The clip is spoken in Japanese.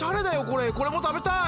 これも食べたい！